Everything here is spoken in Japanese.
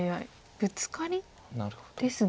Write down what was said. ブツカリですね。